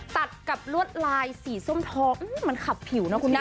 ตัดกับลวดลายสีส้มทองมันขับผิวนะคุณแม่